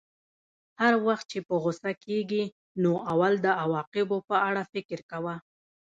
هر وخت چې په غوسه کېږې نو اول د عواقبو په اړه فکر کوه.